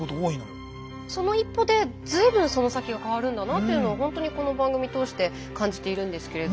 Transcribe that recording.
その一歩で随分その先が変わるんだなというのをほんとにこの番組通して感じているんですけれど。